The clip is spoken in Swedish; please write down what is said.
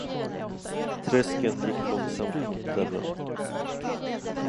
Träsken gick långsamt mot dörren.